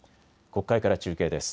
国会から中継です。